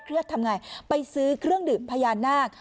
ทำไงไปซื้อเครื่องดื่มพญานาค